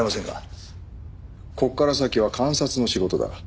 ここから先は監察の仕事だ。